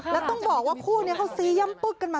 แล้วต้องบอกว่าคู่นี้เขาซีย่ำปึ๊กกันมา